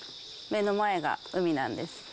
目の前が海なんです。